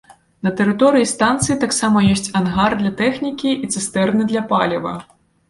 На тэрыторыі станцыі таксама ёсць ангар для тэхнікі і цыстэрны для паліва.